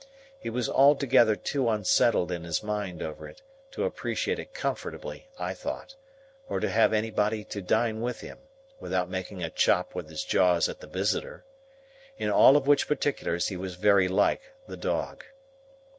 He was altogether too unsettled in his mind over it, to appreciate it comfortably I thought, or to have anybody to dine with him, without making a chop with his jaws at the visitor. In all of which particulars he was very like the dog.